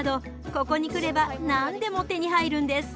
ここに来れば何でも手に入るんです。